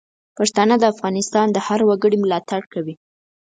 پښتانه د افغانستان د هر وګړي ملاتړ کوي.